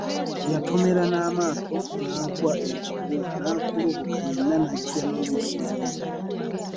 Yatomera Namaato n'agwa ekigwo n'akulubuka yenna n'ajja n'omusaayi.